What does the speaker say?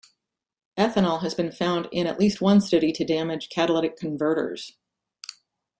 Ethanol has been found in at least one study to damage catalytic converters.